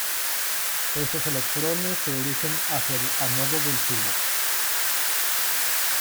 Estos electrones se dirigen hacia el ánodo del tubo.